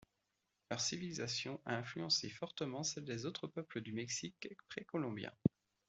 Leur civilisation a influencé fortement celle des autres peuples du Mexique précolombien.